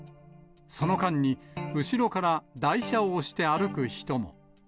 その間に、後ろから台車を押して歩く人も。